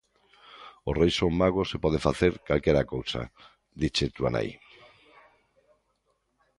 Os Reis son magos e poden facer calquera cousa, diche túa nai.